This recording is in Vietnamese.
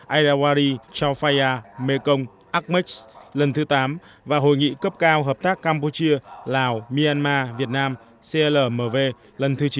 aira wari chaofaya mekong akmex lần thứ tám và hội nghị cấp cao hợp tác campuchia lào myanmar việt nam clmv lần thứ chín